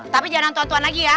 tapi jangan antuan tuan lagi ya